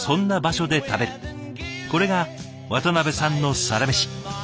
これが渡部さんのサラメシ。